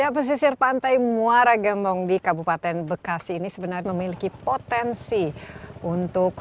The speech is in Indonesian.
pesisir pantai muara gembong di kabupaten bekasi ini sebenarnya memiliki potensi untuk